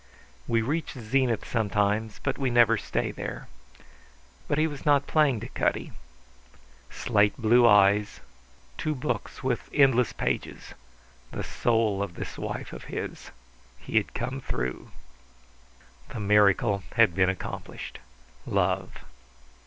We reach zenith sometimes, but we never stay there. But he was not playing to Cutty. Slate blue eyes, two books with endless pages, the soul of this wife of his. He had come through. The miracle had been accomplished. Love.